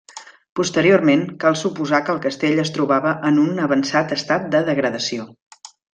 Posteriorment, cal suposar que el castell es trobava en un avançat estat de degradació.